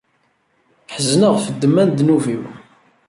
Ḥezneɣ ɣef ddemma n ddnub-iw.